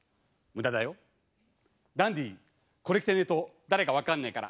ダンディこれ着てねえと誰か分かんねえから。